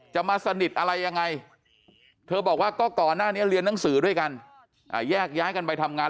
จะมาสนิทอะไรยังไงเธอบอกว่าก็ก่อนหน้านี้เรียนหนังสือด้วยกันแยกย้ายกันไปทำงาน